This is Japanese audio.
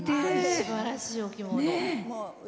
すばらしいお着物。